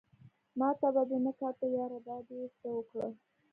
ماته به دې نه کاته ياره دا دې څه اوکړه